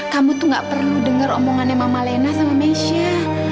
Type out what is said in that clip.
kamu tuh gak perlu dengar omongannya mama lena sama mesha